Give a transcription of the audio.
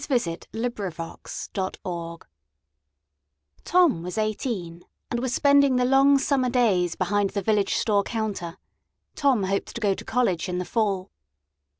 When Mother Fell Ill Tom was eighteen, and was spending the long summer days behind the village store counter Tom hoped to go to college in the fall.